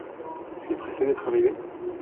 Tu es pressé d'être arrivé ?